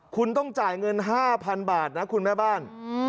คุณต้องจ่ายเงิน๕๐๐๐บาทนะคุณแม่บ้าน